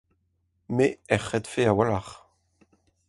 me er c'hredfe a-walc'h